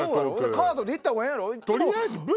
カードで行ったほうがええやろ？